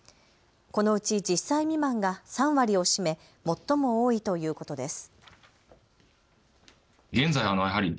このうち１０歳未満が３割を占め最も多いということです。